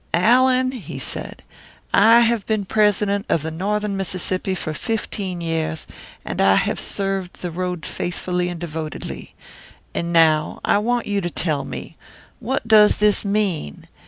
"Allan," he said, "I have been president of the Northern Mississippi for fifteen years, and I have served the road faithfully and devotedly. And now I want you to tell me what does this mean?